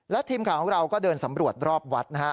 และทีมข่าวของเราก็เดินสำรวจรอบวัดนะฮะ